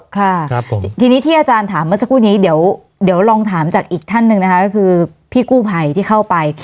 ค่ะทีนี้ที่อาจารย์ถามเมื่อสักครู่นี้เดี๋ยวลองถามจากอีกท่านหนึ่งนะคะก็คือพี่กู้ภัยที่เข้าไป